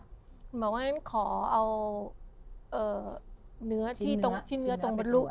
คุณหมอเขาก็ขอเอาเนื้อที่ตรงชิ้นเนื้อตรงบนลูก